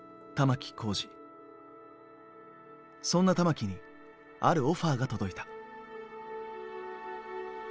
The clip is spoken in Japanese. そんな玉置にあるオファーが届いた。